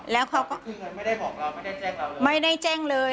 แล้วเขาก็คืนเงินไม่ได้บอกเราไม่ได้แจ้งเราไม่ได้แจ้งเลย